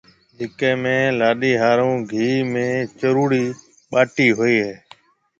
جڪيَ ۾ لاڏَي ھارو گھيَََ ۾ چوروڙِي ٻاٽِي ھوئيَ ھيَََ